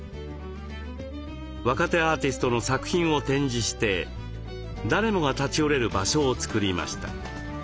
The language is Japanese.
若手アーティストの作品を展示して誰もが立ち寄れる場所をつくりました。